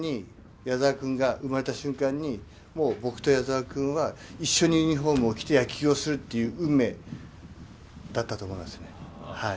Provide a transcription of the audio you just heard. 矢澤君が生まれた瞬間に僕と矢澤君は一緒にユニフォームを着て野球をするという運命だったと思いますね。